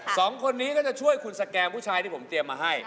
สองคนนี้ก็จะช่วยคุณสแกนผู้ชายที่ผมเตรียมมาให้